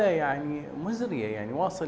bisa membahayakan pasien